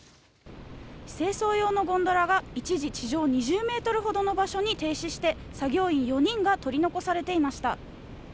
清掃用のゴンドラが一時、地上２０ｍほどの場所に停止して、作業員４人が取り残されていました。